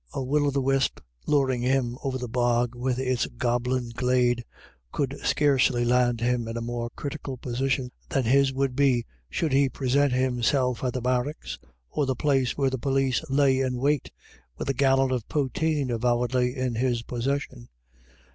A will o' the wisp luring him over the bog with its goblin glede could scarcely land him in a more critical position than his would be should he present himself at the barracks, or the place where the police lay in wait, with a gallon of potheen avowedly in his possession.